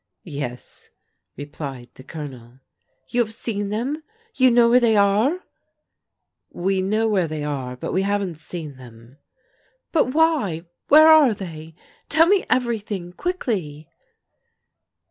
" Yes," replied the Colonel. " You have seen them? You know where they are? "" We know where they are, but we haven't seen them." "But why? Where are they? Tell me everything quickly."